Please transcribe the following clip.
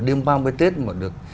đêm ba mươi tết mà được